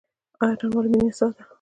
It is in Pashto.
اتن ولې ملي نڅا ده؟